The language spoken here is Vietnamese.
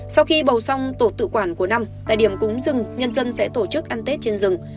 sau khi bầu xong tổ tự quản của năm tại điểm cúng rừng nhân dân sẽ tổ chức ăn tết trên rừng